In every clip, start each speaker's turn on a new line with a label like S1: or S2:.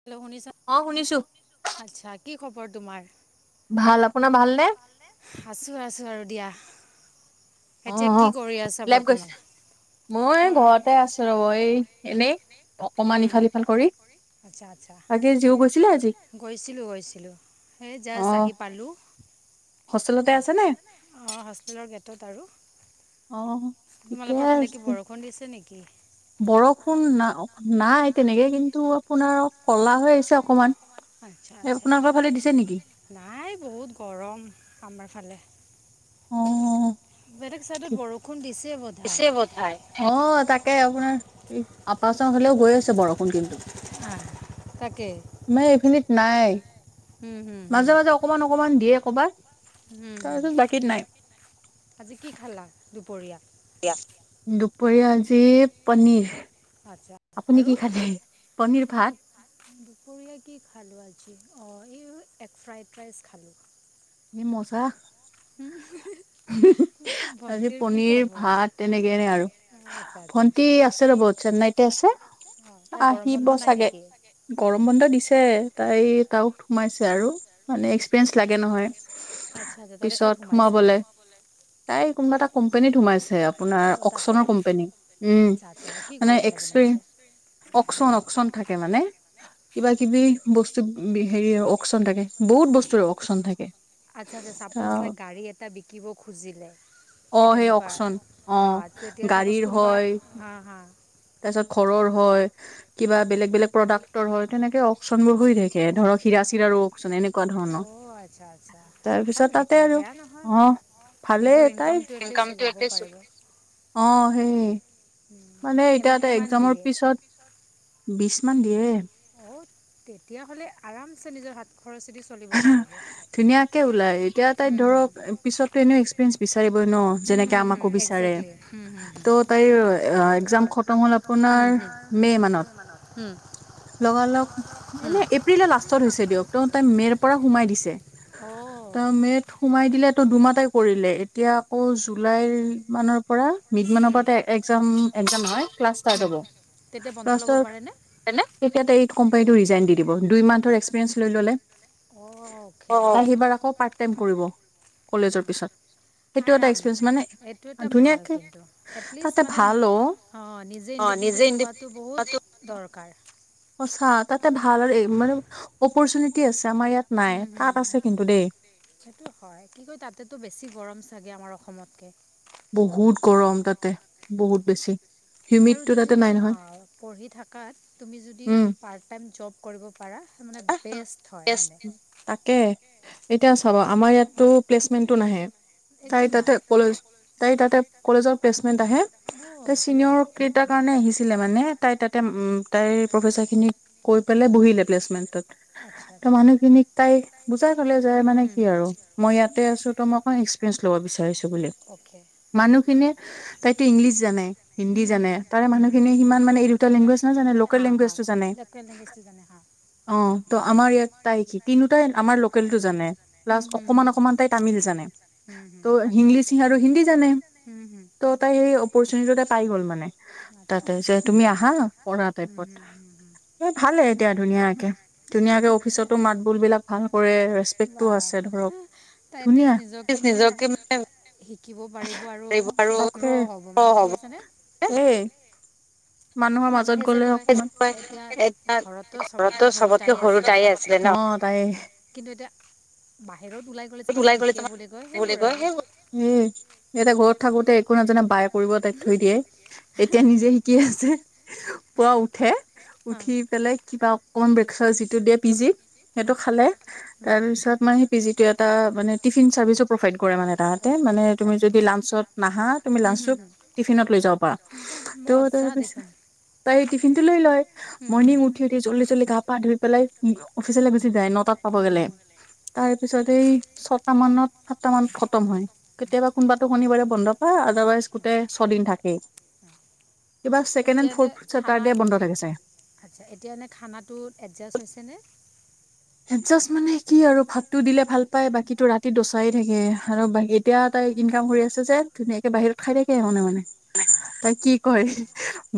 S1: Hello শনিছ আচ্ছা কি খবৰ তোমাৰ?
S2: ভাল, আপোনাৰ ভালনে? অ লাইট গৈছে মই এই ঘৰতে আছো ৰব এই এনেই।
S1: হুম আচ্ছা আচ্ছা গৈছিলোঁ গৈছিলোঁ এই জাষ্ট আহি পালোঁ অঁ', হোষ্টেলৰ গেটত আৰু।
S2: অ ঠিকে আছে বৰষুণ না নাই। তেনেকে কিন্তু আপোনাৰ ক'লা হৈ আহিছে অকমান
S1: আচছা আচছা নাই বহুত গৰম আমাৰ ফালে।
S2: উম [inaudible]
S1: বেলেগ চাইদত বৰষুণ দিছে বধাই [inaudible]
S2: তাকে আপোনাৰ এই আপাচৰ হালও গৈ আছে বৰষুণ কিন্তু আমাৰ এইখিনিত নাই। মাজে -মাজে অকমান অকমান দিয়ে কবাত
S1: হম- হম আজি কি খালা দুপৰীয়া।
S2: দুপৰীয়া আজি পনীৰ।
S1: আচ্ছা আৰু দুপৰীয়া কি খালো আজি? অঁ এই এগ ফ্ৰাইড ৰাইচ খালোঁ
S2: মজা। আজি পনিৰ ভাত তেনেকেনে আৰু ভন্টি আছে ৰ'ব চেন্নাইতে আছে আহিব চাগে গৰম বন্ধ দিছে তাই তও সোমাইছে আৰু মানে এক্সপিৰিয়েন্ঞ্চ লাগে নহয়।
S1: আচ্ছা তাৰে ক'ত সোমাইছে মানে।
S2: কোনবা এটা কোম্পানীত সোমাইছে আপোনাৰ অকচনৰ কোম্পেনী উম মানে এক্সপিৰী অকচন অকচন থা মানে কিবা কিবি বস্তু হেৰি অকচন থাকে বহুত বস্তুৰে অকচন থাকে।
S1: আচ্ছা আচ্ছা চাপ'জ লাইক গাড়ী এটা বিকিব খুজিলে সেই তেনেকুৱা অ তেতিয়া চাপ'জ কোনোবা হা হা।
S2: তাৰ পিছত ঘৰৰ হয় কিবা বেলেগ -বেলেগ প্ৰডাক্টৰ হয় তেনেকে অপশন বোৰ হৈ থাকে [unintelligible] ধৰক হিৰা চিৰা ৰকচোন এনেকুৱা ধৰণৰ তাৰপিছত তাতে আৰু অ ভালেই তাই অ সেই মানে তই এক্সামৰ পিছত। বিশ মান দিয়ে।
S1: অ' তেতিয় হ'লে আৰামছে নিজৰ হাত
S2: ধুনীয়াকে ওলাই এতিয়া তাইত ধৰক পিছত এনে এক্সপিৰিয়েঞ্চ। বিচাৰিবই ন' যেনেকে আমাকো বিচাৰে ত তাইৰ এক্সাম খতম হল আপোনাৰ মে মানত লগালগ এনে এপ্ৰিলৰ লাষ্টত হৈছে দিয়ক তহঁতে মে ৰ [unintelligible] সোমাই দিছে [unintelligible] সোমাই দিলে ত দুমাহতে কৰিলে এতিয়া আকৌ জুলাইৰ মানৰ পৰা মিড মানৰ পৰা এটা এক্সাম, এক্সাম হয় ক্লাছ ষ্টাৰ্ট হ'ব। ক্লাছ ষ্টাৰ্ট [unintelligible] তেতিয়া এই কোম্পানীটো ৰিজাইন দি দিব দুই মান্থৰ একসপিৰিয়েঞ্চ লৈ ললে। [unintelligible] আকৌ পা মে কৰিব
S1: আৰাম এইটো এটা ভাল কিন্তু এটলিষ্ট মানে নিজে ইণ্ডিপেণ্ডেণ্ট হোৱাটো বহুত দৰকাৰ
S2: ভাল আৰু এই মানে অপৰচুনিটি আছে আমাৰ ইয়াত নাই তাত আছে কিন্তু দেই।
S1: তাতো বেছি গৰম চাগে আমাৰ অসমতকৈ [inaudible]
S2: বহুত গৰম তাতে বহুত বেছি
S1: আৰু যদি অঁ, পঢ়ি থাকাত তুমি যদি পাৰ্ট টাইম জব কৰিব। পাৰা মানে বেষ্ট হয় মানে।
S2: এতিয়া চাব আমাৰ ইয়াততো প্লেচমেন্টটো নাহে তাই তাতে কলেজ তাই তাতে কলেজৰ প্লেচমেন্ট আহে তাই চিনিয়ৰ কেইটাৰ কাৰণে আহিছিলে মানে তাই তাতে উম তাইৰ প্ৰফেচাৰ খিনিক কৈ পেলাই বহিলে। প্লেচমেটত ত মানুহ খিনিক তাই বুজাই কলে যে মানে কি আৰু মই ইয়াতে আছো তো মই অকমান এক্সপিৰিয়েন্ঞ্চ ল'ব বিচাৰো মানুহখিনিয়ে তাইতো ইংলিছ জানে হিন্দী জানে তাৰে মানুহখিনিয়ে সিমান মানে এই দুটা লেংগুৱেজ নাজানে লোকেল লেংগুৱেজটো জানে। অ ট আমাৰ ইয়াত তাই কি তিনিটাই আমাৰ লোকেলটো জানে প্লাছ অকমান অকমান তাই তামিল জানে ত' হিংলিছ আৰু হিন্দী জানে ত' তাই অপৰচুনিটি দুটা পাই গ'ল মানে। তাতে যে তুমি আহা পঢ়া টাইপত ভাল এ। এতিয়া ধুনীয়াকে ধুনীয়াকে অফিচতো মাত বোল বিলাক ভাল কৰে ৰেচপেক্টো আছে ধৰক ধুনীয়া মানুহৰ মাজত গলে এ ঘৰতো চবতকে সৰু তাই আছিলে ন তাই ঘ ওলাই গলে তোম উম [inaudible] ইয়াতে ঘৰত থাকোতে একো নাজানে বায়ে কৰিব তাইক থই দিয়ে এতিয়া নিজে শি পুৱা উঠে, উঠি পেলাই কিবা কন ব্ৰেকফাষ্ট যিটো দিয়ে পি জিত সেইটো খালে তাৰপিছত মানে সেই পিজিটোৱ এটা মানে টিফিন চাৰ্ভিচছো প্ৰভাইড কৰে মানে তাহাঁতে মানে তুমি যদি লাঞ্চত নাহা তুমি লাঞ্চো টিফিনত লৈ যাব পাৰা [unintelligible] টিফিনটো লৈ লয়। মৰ্ণিং উঠি উঠি জল্দি জল্দি কাম গা পা ধু পেলাই উ অফিচলৈ গুচি যায় ন তাত পাব গ'লে, তাৰ। তাৰপিছত এই ছয়টা মানত সাতটা মানত খতম হয়। কেতিয়াবা কোনোবাটো শনিবাৰে বন্ধ পায় আদাৰৱাইজ গোটেই ছয়দিন থাকেই।
S1: এতিয়া এনে খানাৰ আচ্ছা এতিয়া এনে খানাটো এডজাষ্ট হৈছেনে
S2: এডজাষ্ট মানে কি আৰু ভাতটো দিলে ভাল পায় বাকী টো ৰাতি দচাই হে থাকে আৰু এতিয়া তাই ইনকাম কৰি আছে যে ধুনীয়াকে বাহিৰত খাই থাকে মনে মনে তাই কি অই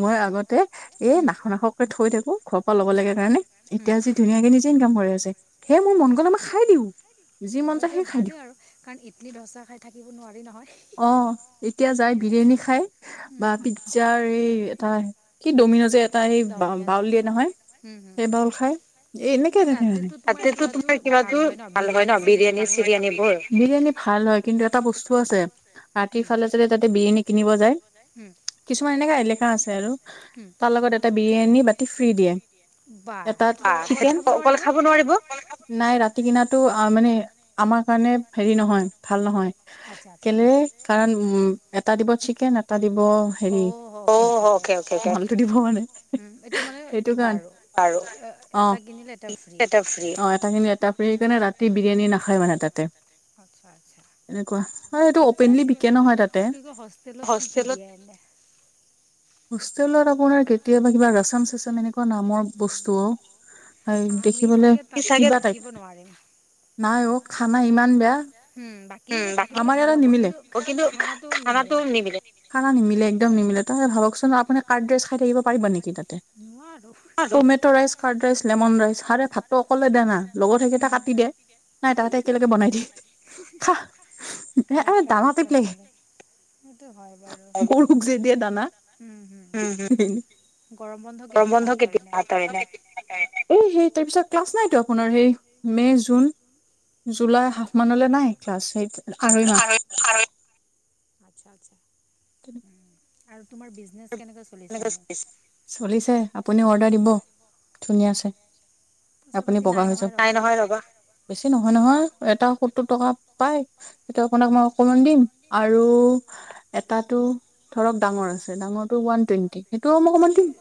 S2: মই আগতে এই নাখাও নাখাও কৈ থৈ থাকো ঘৰপা লব লাগে কাৰণে এতিয়া ধুনীয়াকে নিজে ইনকাম হৈ আছে, হে মোৰ মনগলে মই খাই দিও।
S1: অ এতিয়া ভালেই আৰু কাৰণ ইডলি, দচা খাই থাকিব নোৱাৰি নহয়।
S2: অ', এতিয়া যায় বিৰিয়ানী খাই বা পিজ্জাৰ এই এ কি ডমিন যে তাই বাউল দিয়ে নহয়, সেই বাউল খাই এনেকে এনেকে মানে তাতেতো তোমাৰ কিবাটো ভাল হয় ন বিৰিয়ানী চিৰিয়ানী বোৰ বিৰিয়ানী ভাল হয়। কিন্তু এটা বস্তু আছে। ৰাতিৰ ফালে যদি তাতে বিৰিয়ানী কিনিব যায়। কিছুমান এনেকাই লেকা আছে আৰু তাৰ লগত এটা বিৰিয়ানী বাতি ফ্ৰী দিয়ে। এটা চিকেন অকল খাব নোৱাৰিব নাই ৰাতি, তিকিনাটো মানে আমাৰ কাৰণে হেৰি নহয় ভাল নহয়। কেলে কাৰণ উম, এটা দিব, চিকেন এটা, দিব হি অ, অকে অকে মালটো দিব মানে। সেইটোকাৰণে বাৰু অ এটা ফ্ৰী, অ এটা কিনিলে এটা ফ্ৰী। সেইকাৰণে ৰাতি বিৰিয়ানী নাখায় মানে তাতে, এনেকুৱা।
S1: ঠিকে আছে বাৰু কি কয় হোষ্টেলত কি কি দিয়া এনে?
S2: হোষ্টেলত আপোনাৰ কেতিয়া কিবা ৰচাম- চচাম সেনেকে, নামৰ বস্তু অ এই দেখিবলৈ কিবা টাইপ, নাই অ। খানা ইমান বেয়া। উম, আমাৰ ইযাৰে নিমিলে অ, কিন্তু খানাটো নিমিলে খানা, মিলে একদম নিমিলে তাকে ভাবকচোন আপুনি কাৰ্ড - ৰাইচ খাই থাকিব পাৰিব নেকি তাত? অ, tomato rice, fried rice, lemon rice আৰে ভাতটো অকলে দে না। লগত সেইকেইতা কাটি দে নাই তাহতে একেলগে বনাই দে। আৰু দানা টাইপ লাগে গৰুক যে, দিয়ে দানা ওম -ওম গৰম বন্ধ কেতিয়া আতৰিলে? এই সেই তাৰপিছত ক্লাছ নাইতো আপোনাৰ সেই মে জুন জুলাই হাফ মানলৈ নাই। ক্লাছ সেইট আঢ়ৈ মাহ।
S1: আচ্ছা, আচ্ছা।
S2: কেনেক
S1: আৰু তোমাৰ বিজনেছ?
S2: চলিছে। আপুনি অৰ্ডাৰ দিব, ধুনীয়া আছে। আপুনি বগা হৈছে তাই নহয় ৰবা হৈছে। নহয় -নহয় এটা সত্তৰ টকা পাই আপোনাক মই অকমান দিম আৰু এটাটো ধৰক ডাঙৰ আছে ডাঙৰটো ৱান, টোৱেনতি সেইটো মই অকমান দিম।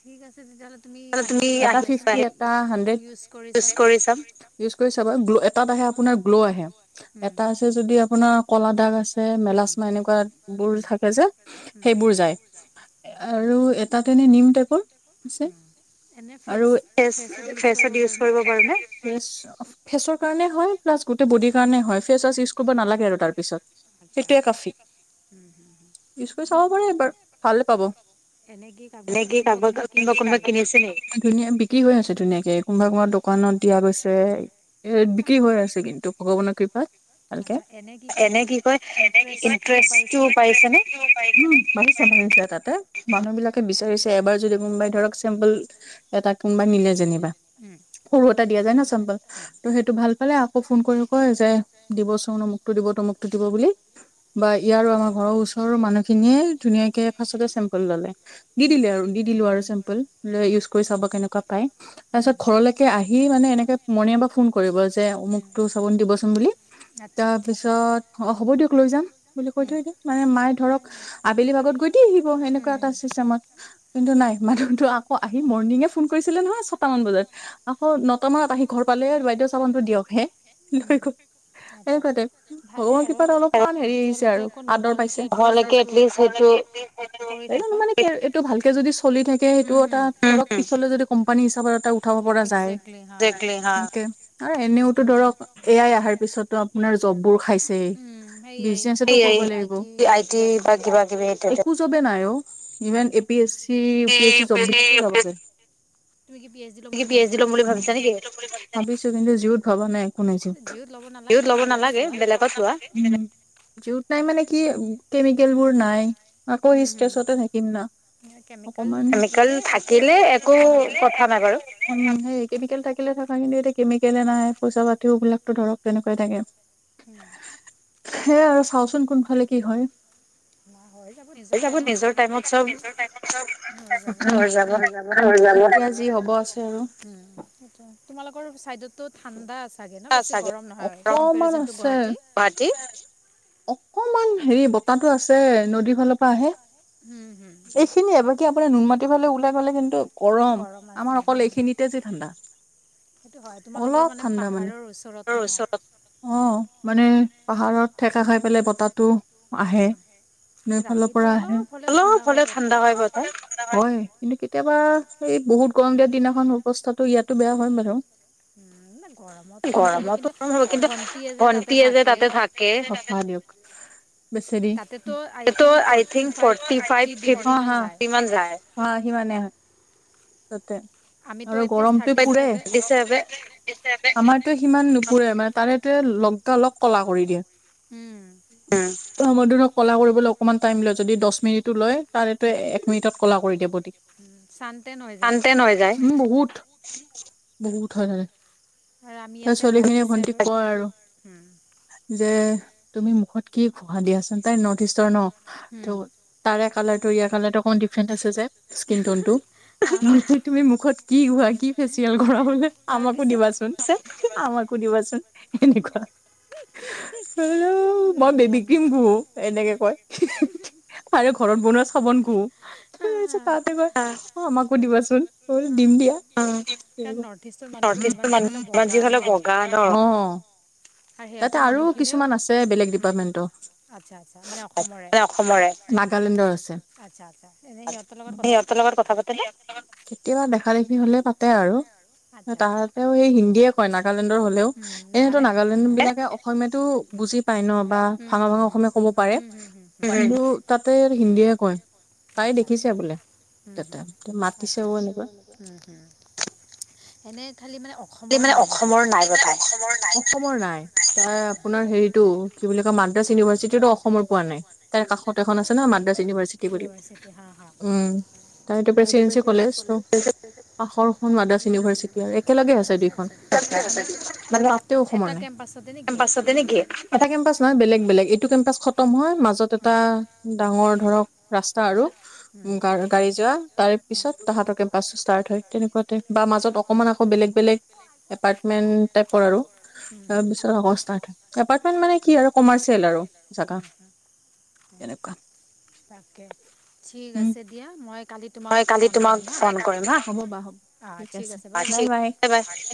S1: ঠিক আছে তেতিয়াহ'লে তুমি আহিলে, লৈ আহিবাচোন মই ইউজ কৰি চাম।
S2: তাত আহে আপোনাৰ গ্ল' আহে। এটা আছে যদি আপোনাৰ কলা দাগ আছে মেলাচমা এনেকুৱা বোৰ থাকে যে সেইবোৰ যায়। আৰু এটাতেনে নিম টাইপৰ আছে আৰু ফে ফ্ৰেচত ইউজ কৰিব পাৰোঁনে ফ্ৰেচ ফেচৰ কাৰণে হয় প্লাছ গোটেই বডিৰ সেইকাৰণে হয় ফেচৱাছ ইউজ কৰিব নালাগে আৰু তাৰপিছত সেইটোৱে কাফি, ইউজ কৰি চাব পাৰে এবাৰ ভালে পাব। এনে কি কাৰোবা কোনোবা- কোনোবা কিনিছে নেকি? ধুনীয়া বিক্ৰী হৈ আছে। ধুনীয়াকে কোনোবা কোবাৰ দোকানত দিয়া গৈছে এ, বিক্ৰী হৈ আছে কিন্তু ভগৱানৰ কৃপাত। ভালকে এনে কি কয় এ, ইটাৰেষ্টটো পাইছেনে? উম, বাঢ়িছে। [unintelligible] মানুহ বিলাকে বিচাৰিছে এবাৰ যদি কোনবাই ধৰক চেম্পল এটা কোনোবাই নিলে যেনিবা, উৰুত দিয়া যায় ন' চব, চেম্পল ত 'সেইটো ভাল। এয়া আকৌ ফোন কৰি কয় যে, দিব চোন অমুকটো দিব তমুকটো দিব বুলি বা ইয়াৰ আৰু আমাৰ ঘৰৰ ওচৰৰ মানুহখিনিয়ে ধুনীয়াকে ফাৰ্ষ্টততে চেম ললে দি দিলে আৰু দি দিলো আৰু চেম্পল ইউজ কৰি চাব কেনেকুৱা পাই, তাৰপিছত ঘৰলৈকে আহি মানে এনেকে মৰ্নিং পৰা ফোন কৰিব যে, অমোকতো চাবোন দিবচোন বুলি। তাৰপিছত, অ, হ'ব দিয়ক লৈ যাম বুলি কৈ থৈ দিয়ে মানে মায়ে ধৰক আবেলি ভাগত গৈ দি আহিব এনেক, এনেকুৱা এটা চিষ্টেমত কিন্তু নাই মাধুহটো আকৌ আহি মৰ্ণিঙে ফোন কৰিছিলে নহয়, ছটা মান বজাত আকৌ নটা মানত আহি ঘৰ পালে, বাইদেউ চাবোনতটো দিয়ক হে লৈ গলে এনেকুৱাতে, শহুৰৰ কৃপাত অলপমান হেৰি আহিছে আৰু আদৰ পাইছে। মানে এইটো ভালকে যদি চলি থাকে সেইটো এটা পিছলে যদি, কোম্পানী হিচাপৰ এটা, উঠাব পৰা যায় তাকে, এনেও টো ধৰক এ- -আই আহাৰ, পিছতো আপোনাৰ জব বোৰ, খাইছে বি লাগ বা কিবা কিব একো জবে নাই আৰু [unintelligible] even A P S C P S C চব্বশছে তি পি এচ দি ল'ম বুলি ভাবিছা নেকি কিন্তু জীৱুত ভবা নাই শুনাইছো বিহত ল'ব নালাগে বেলেগত লোৱা যুত নাই মানে কি কেমিকেল বোৰ নাই অ কৰ ষ্টেছত থাকিম ন অকমান কেমিকেল থাকিলে একো কথা নাই বাৰু কেমিকেল থাকিলে থকা কিন্তু এতিয়া কেমিক নাই পইচা পাতিওবলাকতো ধৰক তেনেকুৱাই থাকে সেয়াই আৰু চাওচোন কোনফালে কি হয়
S1: নিজৰ টাইমত চব তোমালোকৰ চাইতত ঠাণ্ডা চাগে ন বেছি গৰম নহয়
S2: অকমান হেৰি বতাহো আছে নদীৰ ফালৰ পৰা আহে
S1: হম হম
S2: কি আপোনাৰুনমাটতি ফাল লাই গ'লে কিন্তু গৰম আমাৰ অকল এইখিনিতে যে ঠাণ্ডা অল ঠডা মানে অ মানে পাহাৰত ঠেকা খাই পেলাই বতাহটো আহে সফালৰ পৰা আহে অলপ হলে ঠাণ্ডা হয় ব হয় কিন্তু কেতিয়াবা এই বহুত গৰম দিয়া দিনাখন অৱস্থাতো ইয়াতো বেয়া হয় বাৰু গৰমতো হ কিন্তু ভন্টিয়ে যে তাতে থাকেই বেচেৰী I think forty five fifty মান যায় ও সিমানেই তাতে আৰু গৰমটো পাৰছেব আমাৰতো সিমান নুপুৰে মানে তাৰেটোয়ে লগা লগ ক'লা কৰি দিয়ে
S1: উম
S2: ত মই ধৰক কলা কৰিবলৈ অকমান টাইম ল যদি দহ মিনিটো লয় তাৰে তো এক মিনিটত কলা কৰি দিয়ে বদি শান্তে হয় যায় ও বহুত বহুত হয় ত ছোৱালী খিনিক ভন্টিক ক আৰু যে তুমি মুখত কি ঘোঁহা দিয়াচুন তাই নৰ্থ ইষ্টৰ ন ত তাৰে কালাৰটো ইয়াৰ কালাৰতো অকণমান ডিফেৰেণ্টচ আছে যে স্কিন টন টো তুমি মুখত কি ঘোঁহা কি ফেচিয়েল কৰা হ'লে আমাক কু দিবাচোন আমাকো দিবাচোন এনেকুৱা মই বোলো মই বেবী ক্ৰীম ঘোঁহো এনেকে কয় আৰু ঘৰত বনোৱা চাবোন ঘোঁহো তাতে কয় আমাকো দিবাচোন মই বোলো দিম দিয়া
S1: কাৰণ নৰ্থ ইষ্টৰ মানুহ টো
S2: এই যিমান যি হ'লেও বগা ন অ তাতে আৰু কিছুমান আছে বেলেগ ডিপাৰ্টমেণ্ট তাই অসমৰে নাগালেণ্ডৰ আছে
S1: আচ্ছা আচ্ছা এনে সিহঁতৰ লগত কথা পাতানে
S2: কেতিয়াবা দেখা দেখি হ'লে পাতে আৰু তাহাঁতেও সেই হিন্দীয়ে কয় নাগালেণ্ডৰ হ'লেও এনেতো নাগালেণ্ড বিলাকে অসমীয়াতো বুজি পাই ন বা ভাঙা ভাঙা অসমীয়া ক'ব পাৰে তাতে হিন্দীয়ে কয়
S1: আচ্ছা আচ্ছা উম উম আচ্ছা উম উম এনে
S2: মানে অসমৰ নাই পঠায় অসমৰ নাই এ আপোনাৰ হেৰিটো কি বুলি কয় মাদ্ৰাছ ইউনিভাৰ্চিটি তো অসমৰ পোৱা নাই তাৰ কাষত এখন আছে না মাদ্ৰাছ ইনিভাৰ্চিটি বুলি উম তাৰ টো প্ৰেছিডেন্সি কলেজ ত আখৰ মাদ্ৰছ ইউনিভাৰ্চিটি আৰু একেলগে আছে [unintelligible] অসমৰ নাই এটা কেম্পাচতে নেকি ন চোৱা বেলেগ বেলেগ এইটো কেম্পাচ খতম হয় মাজত এটা ডাঙৰ ধৰক ৰাস্তা আৰু গা গাড়ী যোৱা তাৰ পিছত তাহাঁতকে বাছ ষ্টাৰ্ট হয় তেনেকুৱাতে বা মাজত অকমান আকৌ বেলেগ বেলেগ এপাৰটমেন্ট টাইপৰ আৰু তাৰপিছত আকৌ এপাৰ্টমেন্ট মানে কি আৰু কমাৰ্চিয়েল আৰু জাগা তেনেকুৱা।
S1: ঠিক আছে দিয়া, মই
S2: মই কালি তোমাক ফোন কৰিম হা হ'ব বা হ'ব ঠিক আছে বাই বাই